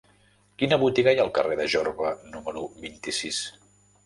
Quina botiga hi ha al carrer de Jorba número vint-i-sis?